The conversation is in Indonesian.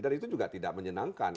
dan itu juga tidak menyenangkan